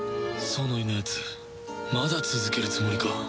ソノイのやつまだ続けるつもりか？